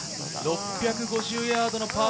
６５０ヤードのパー５。